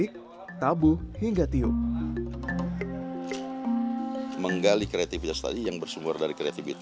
karena itu datang dari hati